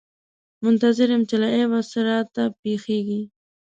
منتظر یم چې له غیبه څه راته پېښېږي.